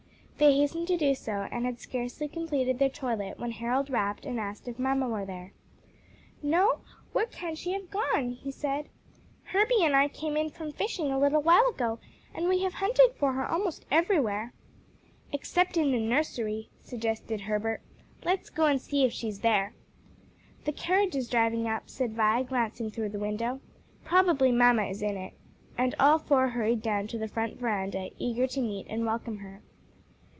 They hastened to do so, and had scarcely completed their toilet when Harold rapped and asked if mamma were there. "No? Where can she have gone?" he said. "Herbie and I came in from fishing a little while ago, and we have hunted for her almost everywhere." "Except in the nursery," suggested Herbert. "Let's go and see if she's there." "The carriage is driving up," said Vi, glancing through the window; "probably mamma is in it," and all four hurried down to the front veranda eager to meet and welcome her.